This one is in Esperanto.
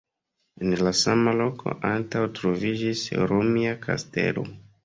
En la sama loko antaŭe troviĝis Romia kastelo.